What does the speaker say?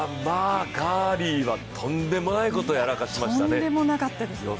カーリーはとんでもないことをやらかしましたね。